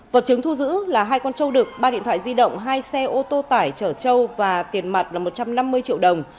vật chứng thu giữ là hai con trâu đực ba điện thoại di động hai xe ô tô tải trở trâu và tiền mặt là một trăm năm mươi triệu đồng